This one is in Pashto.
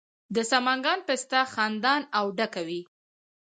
د سمنګان پسته خندان او ډکه وي.